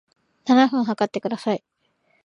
七分測ってください